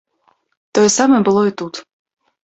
Тое самае было і тут.